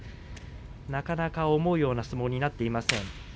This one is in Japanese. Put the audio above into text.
なかなか思うような相撲になっていません。